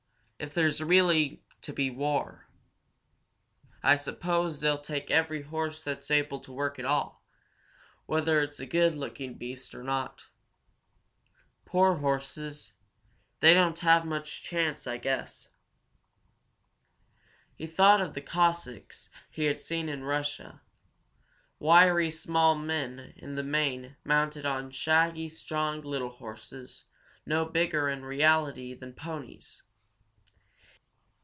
"If there's really to be war, I suppose they'll take every horse that's able to work at all, whether it's a good looking beast or not. Poor horses! They don't have much chance, I guess." He thought of the Cossacks he had seen in Russia, wiry, small men, in the main, mounted on shaggy, strong, little horses, no bigger in reality than ponies.